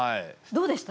どうでした？